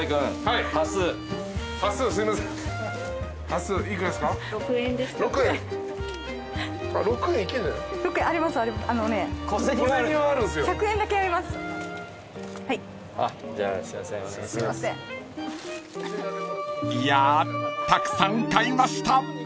［いやたくさん買いました］